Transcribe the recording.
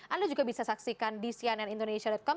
anda juga bisa saksikan di cnnindonesia com